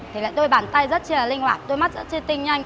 thì lại đôi bàn tay rất là linh hoạt đôi mắt rất chiên tinh nhanh